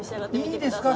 いいんですか？